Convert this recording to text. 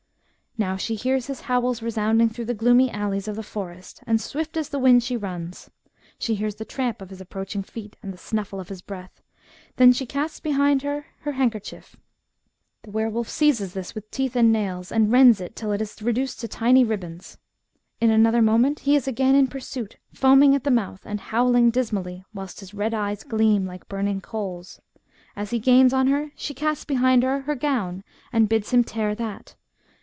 Now she hears his howls resounding through the gloomy alleys of the forest, and swift as the wind she runs. She hears the tramp of his approaching feet, and the snuflSe of his breath. Then she casts behind her her handkerchief. The were wolf seizes this with teeth FOLK LORE RELATING TO WERE WOLVES. 127 and nails, and rends it till it is reduced to tiny ribands. In another moment he is again in pursuit foaming at the mouth, and howling dismally, whilst his red eyes gleam like burning coals. As he gains on her, she casts behind her her gown, and bids him tear that.